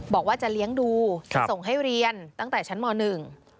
บอกว่าจะเลี้ยงดูจะส่งให้เรียนตั้งแต่ชั้นมหนึ่ง